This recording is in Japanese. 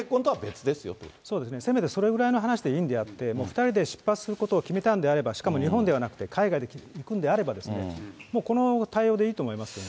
そうですね、せめてそれくらいの話でいいんであって、２人で出発することを決めたんであれば、しかも日本でなくて海外へ行くんであれば、この対応でいいと思いますけどね。